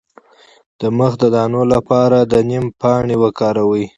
د مخ د دانو لپاره د نیم پاڼې وکاروئ